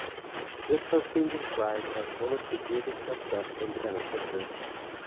This has been described as one of the greatest upsets in tennis history.